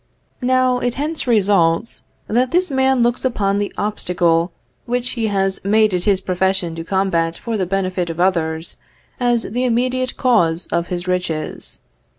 Now, it hence results, that this man looks upon the obstacle which he has made it his profession to combat for the benefit of others, as the immediate cause of his riches.